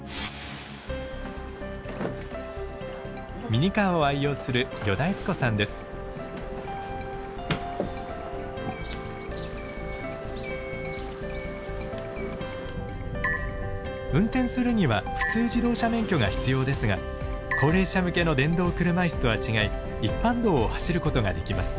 ミニカーを愛用する運転するには普通自動車免許が必要ですが高齢者向けの電動車椅子とは違い一般道を走ることができます。